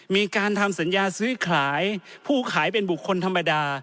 มีการทำสัญญาซื้อขายผู้ขายเป็นบุคคลธรรมดา